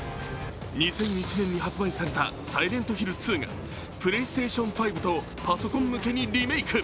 ２００１年に発売された「サイレントヒル２」がＰｌａｙＳｔａｔｉｏｎ５とパソコン向けにリメイク。